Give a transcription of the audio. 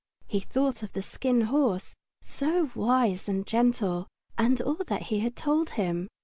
He thought of the Skin Horse, so wise and gentle, and all that he had told him.